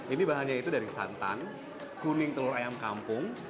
ini bahannya itu dari santan kuning telur ayam kampung